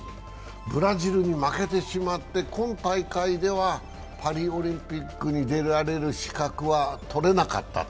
ブラジルに負けてしまって今大会ではパリオリンピックに出られる資格はとれなかったと。